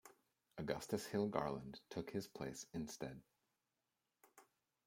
Augustus Hill Garland took his place instead.